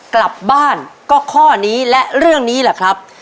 กลับบ้านก็ข้อนี้และเรื่องนี้แหละครับ